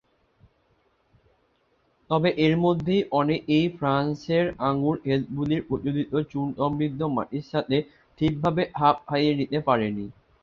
তবে এর মধ্যে অনেকেই ফ্রান্সের আঙ্গুর-ক্ষেতগুলির প্রচলিত চুন সমৃদ্ধ মাটির সাথে ঠিকভাবে খাপ খাইয়ে নিতে পারেনি।